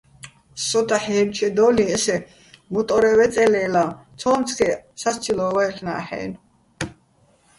სო დაჰ̦ ჲელჩედო́ლიჼ ესე მუტო́რე ვეწე́ ლე́ლაჼ, ცო́მცგეჸ სასცილო́ ვაჲლ'ნა́ჰ̦-ა́ჲნო̆.